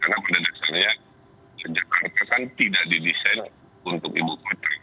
karena pada dasarnya sejak kertasan tidak didesain untuk ibu kota